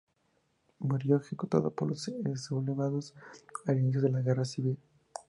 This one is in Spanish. Murió ejecutado por los sublevados al inicio de la Guerra Civil.